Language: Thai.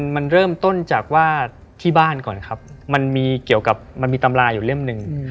มันเริ่มต้นจากว่าที่บ้านก่อนครับมันมีเกี่ยวกับมันมีตำราอยู่เล่มหนึ่ง